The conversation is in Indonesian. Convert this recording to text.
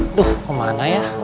aduh kemana ya